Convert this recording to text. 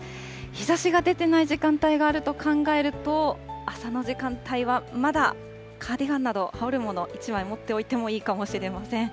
日ざしが出てない時間帯があると考えると、朝の時間帯はまだカーディガンなど羽織るもの、１枚持っておいてもいいかもしれません。